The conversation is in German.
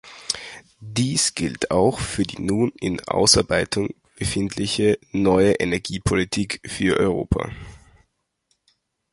Dies gilt auch für die nun in Ausarbeitung befindliche neue Energiepolitik für Europa.